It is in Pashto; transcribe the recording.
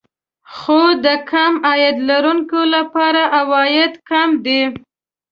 خو د کم عاید لرونکو لپاره عواید کم دي